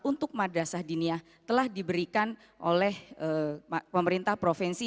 untuk madrasah dinia telah diberikan oleh pemerintah provinsi